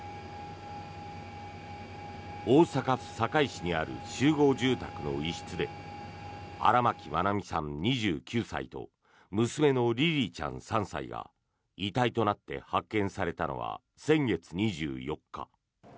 大阪府堺市にある集合住宅の一室で荒牧愛美さん、２９歳と娘のリリィちゃん、３歳が遺体となって発見されたのは先月２４日。